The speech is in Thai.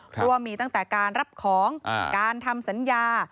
กลัวมีตั้งแต่การรับของการทำสัญญา